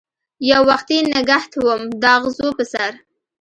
یووختي نګهت وم داغزو په سر